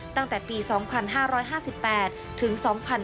ตั้งแต่ปี๒๕๕๘ถึง๒๕๕๙